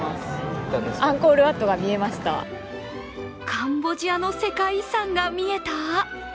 カンボジアの世界遺産が見えた？